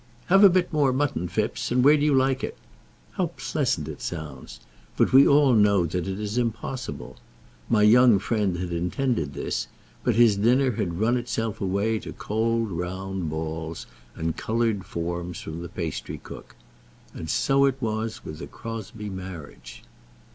"Have a bit more mutton, Phipps; and where do you like it?" How pleasant it sounds! But we all know that it is impossible. My young friend had intended this, but his dinner had run itself away to cold round balls and coloured forms from the pastrycook. And so it was with the Crosbie marriage.